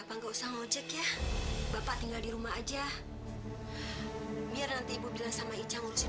mungkin bapak masuk angin kali